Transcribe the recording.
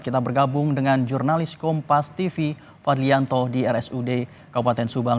kita bergabung dengan jurnalis kompas tv fadlianto di rsud kabupaten subang